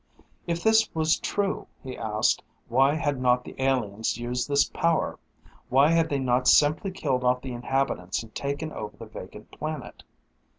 If this was true, he asked, why had not the aliens used this power? Why had they not simply killed off the inhabitants and taken over the vacant planet?